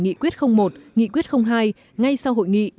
nghị quyết một nghị quyết hai ngay sau hội nghị